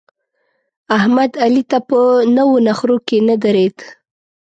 احمد؛ علي ته په نو نخرو کې نه درېد.